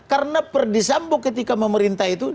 karena perdisambo ketika memerintah itu